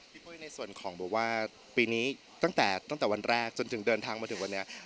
ปุ้ยในส่วนของบอกว่าปีนี้ตั้งแต่ตั้งแต่วันแรกจนถึงเดินทางมาถึงวันนี้